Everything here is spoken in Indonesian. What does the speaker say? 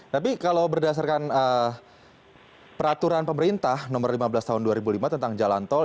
tapi kalau berdasarkan peraturan pemerintah nomor lima belas tahun dua ribu lima tentang jalan tol